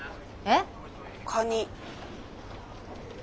えっ？